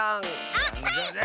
あっはい！